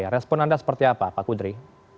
respon anda seperti apa pak kudri